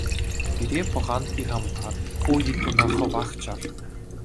Пире пӑхан Пихампар, ху йыттуна хӑвах чар.